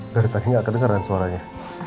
dari tadi gak kedengeran suaranya